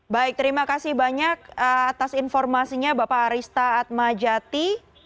baik terima kasih banyak atas informasinya bapak arista atmajati